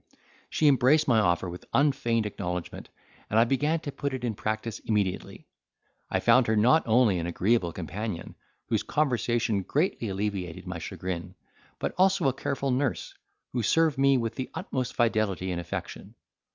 She embraced my offer with unfeigned acknowledgment, and I began to put it in practice immediately. I found her not only an agreeable companion, whose conversation greatly alleviated my chagrin, but also a careful nurse, who served me with the utmost fidelity and affection.